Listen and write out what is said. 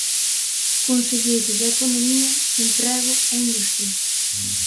Conselleiro de Economía, Emprego e Industria.